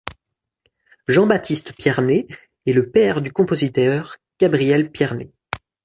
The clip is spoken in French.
Jean-Baptiste Pierné est le père du compositeur Gabriel Pierné.